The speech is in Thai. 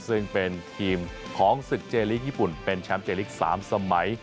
ซึ่งเป็นทีมของศึกเจลีกญี่ปุ่นเป็นแชมป์เจลิก๓สมัย